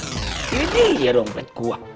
ini dia dong pet